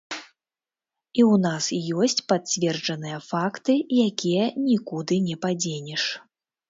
І ў нас ёсць пацверджаныя факты, якія нікуды не падзенеш.